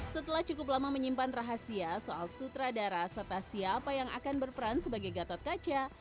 setelah cukup lama menyimpan rahasia soal sutradara serta siapa yang akan berperan sebagai gatot kaca